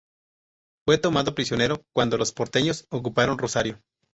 Fue tomado prisionero cuando los porteños ocuparon Rosario.